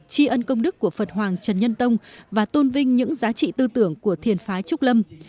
tri ân công đức của phật hoàng trần nhân tông và tôn vinh những giá trị tư tưởng của thiền phái trúc lâm